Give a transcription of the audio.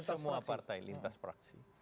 untuk semua partai lintas praksi